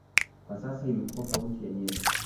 Kwa sasa imekuwa kaunti ya Nyeri.